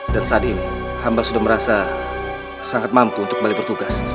dan saat ini hamba sudah merasa sangat mampu untuk kembali bertugas